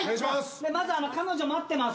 まず彼女待ってます。